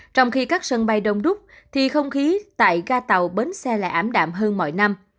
trong khi các sân bay đông đúc thì không khí tại ga tàu bến xe lại ảm đạm hơn mọi năm